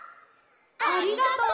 ありがとう！